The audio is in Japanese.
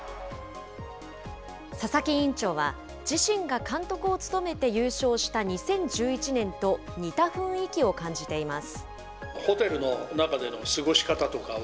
佐々木委員長は、自身が監督を務めて優勝した２０１１年と似た雰囲気を感じています。